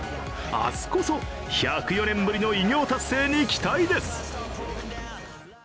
明日こそ１０４年ぶりの偉業達成に期待です。